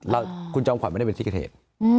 แล้วคุณจอมขวัญไม่ได้เป็นซิกเทศ